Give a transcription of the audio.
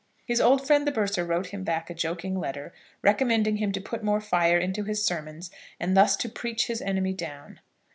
His old friend the Bursar wrote him back a joking letter, recommending him to put more fire into his sermons and thus to preach his enemy down.